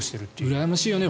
うらやましいよね。